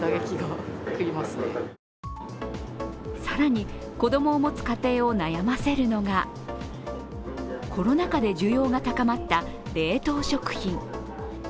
更に、子供を持つ家庭を悩ませるのがコロナ禍で需要が高まった冷凍食品。